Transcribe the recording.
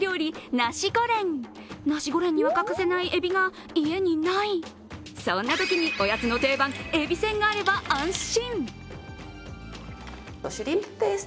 ナシゴレンには欠かせないえびが家にない、そんなときに、おやつの定番、えびせんがあれば安心。